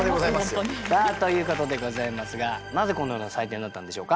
本当に。ということでございますがなぜこのような採点になったんでしょうか？